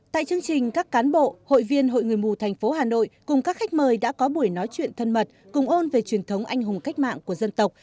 tại chương trình các cán bộ hội viên hội người mù thành phố hà nội cùng các khách mời đã có buổi nói chuyện thân mật cùng ôn về truyền thống anh hùng cách mạng của dân tộc